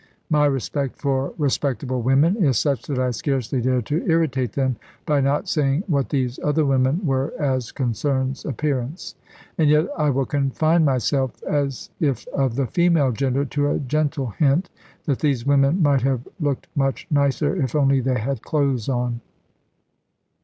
My respect for respectable women is such that I scarcely dare to irritate them, by not saying what these other women were as concerns appearance. And yet I will confine myself, as if of the female gender, to a gentle hint that these women might have looked much nicer, if only they had clothes on.